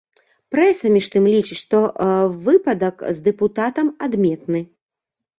Прэса, між тым, лічыць, што выпадак з дэпутатам адметны.